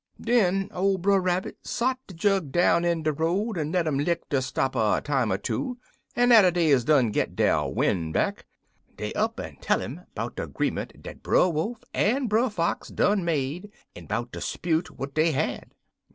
"Den ole Brer Rabbit sot de jug down in de road en let um lick de stopper a time er two, en atter dey is done get der win' back, dey up'n tell 'im 'bout de 'greement dat Brer Wolf en Brer Fox done make, en 'bout de 'spute what dey had.